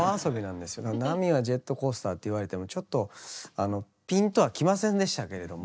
だから「波はジェットコースター」って言われてもちょっとあのピンとはきませんでしたけれども。